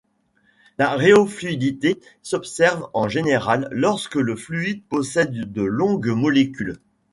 La rhéofluidité s'observe en général lorsque le fluide possède de longues molécules.